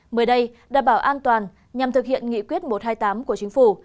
mới đây đảm bảo an toàn nhằm thực hiện nghị quyết một trăm hai mươi tám của chính phủ